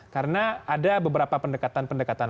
karena ada beberapa pendekatan pendekatan